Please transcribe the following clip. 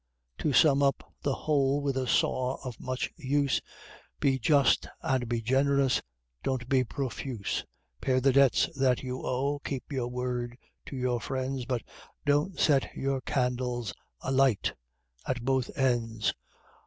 _ To sum up the whole with a "saw" of much use, Be just and be generous, don't be profuse! Pay the debts that you owe, keep your word to your friends, But DON'T SET YOUR CANDLES ALIGHT AT BOTH ENDS!!